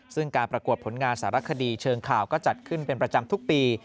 ซึ่งการประกวดผลงานสารคดีเชิงข่าวก็จัดขึ้นเป็นประจำทุกปี